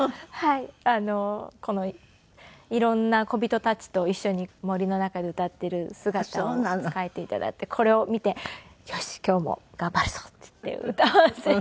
この色んな小人たちと一緒に森の中で歌っている姿を描いて頂いてこれを見てよし今日も頑張るぞっていって歌わせて。